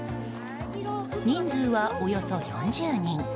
人数はおよそ４０人。